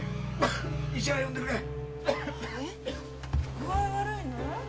具合悪いの？